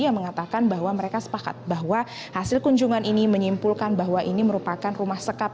yang mengatakan bahwa mereka sepakat bahwa hasil kunjungan ini menyimpulkan bahwa ini merupakan rumah sekap